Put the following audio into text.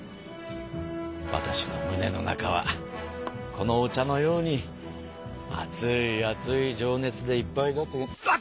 わたしのむねの中はこのお茶のように熱い熱い情熱でいっぱいだというの熱っ！